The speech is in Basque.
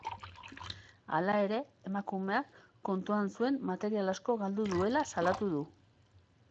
Hala ere, emakumeak kontuan zuen material asko galdu duela salatu du.